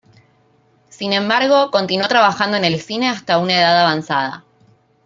Sin embargo, continuó trabajando en el cine hasta una edad avanzada.